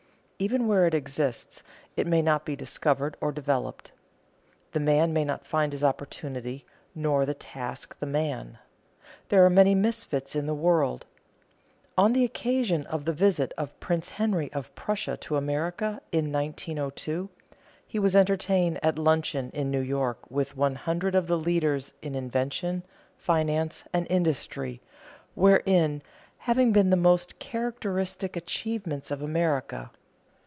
Even where it exists, it may not be discovered or developed. The man may not find his opportunity, nor the task the man. There are many misfits in the world. On the occasion of the visit of Prince Henry of Prussia to America, in 1902, he was entertained at luncheon in New York with one hundred of the leaders in invention, finance, and industry, wherein have been the most characteristic achievements of America.